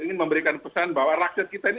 ingin memberikan pesan bahwa rakyat kita ini